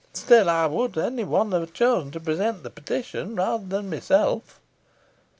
Still, I would any one were chosen to present the petition rather than myself."